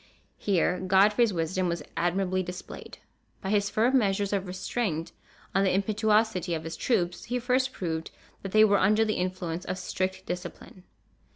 Here Godfrey's wisdom was admirably displayed. By his firm measures of restraint on the impetuosity of his troops he first proved that they were under the influence of strict discipline.